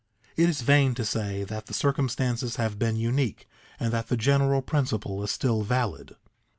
It is vain to say that the circumstances have been unique and that the general principle is still valid.